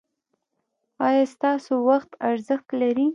ایا ستاسو وخت ارزښت لري؟